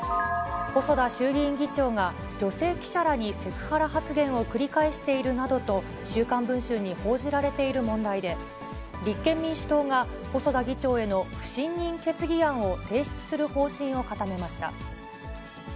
細田衆議院議長が、女性記者らにセクハラ発言を繰り返しているなどと、週刊文春に報じられている問題で、立憲民主党が、細田議長への不信任決議案を提出する方針を固めました。